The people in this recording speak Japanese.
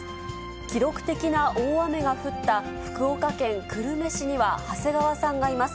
記録的な大雨が降った福岡県久留米市には長谷川さんがいます。